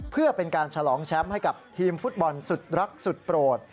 เพื่อเป็นการฉลองแชมป์ให้กับทีมฟุตบอลสุดรักสุดโปรด